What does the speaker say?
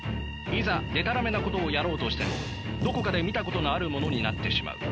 いざでたらめなことをやろうとしてもどこかで見たことのあるものになってしまう。